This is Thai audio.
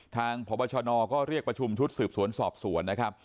ทางภพิศก็เรียกประชุมชุดสืบสวนสอบสวน